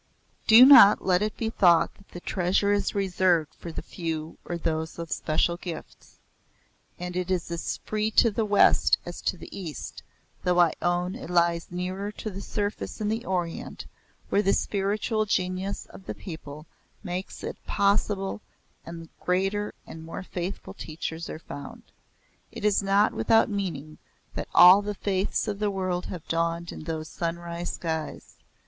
Do not let it be thought that the treasure is reserved for the few or those of special gifts. And it is as free to the West as to the East though I own it lies nearer to the surface in the Orient where the spiritual genius of the people makes it possible and the greater and more faithful teachers are found. It is not without meaning that all the faiths of the world have dawned in those sunrise skies.